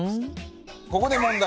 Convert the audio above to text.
ここで問題。